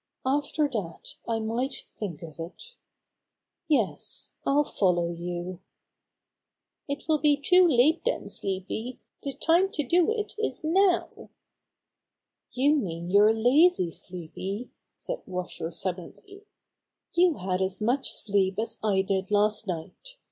After that I might think of it. Yes, I'll follow you." 94 Bobby Gray Squirrel's Adventures "It will be too late then, Sleepy. The time to do it is now/' "You mean you're lazy, Sleepy," said Washer suddenly. "You had as much sleep as I did last night.